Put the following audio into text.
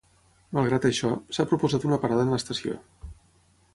Malgrat això, s'ha proposat una parada en l'estació.